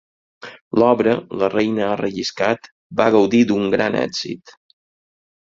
L'obra, La reina ha relliscat, va gaudir d'un gran èxit.